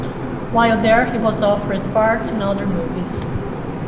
While there he was offered parts in other movies.